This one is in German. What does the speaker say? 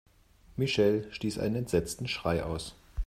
Michelle stieß einen entsetzten Schrei aus.